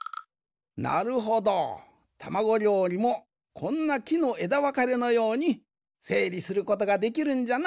なるほどたまごりょうりもこんなきのえだわかれのようにせいりすることができるんじゃな。